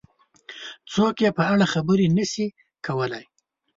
څوک یې په اړه خبرې نه شي کولای.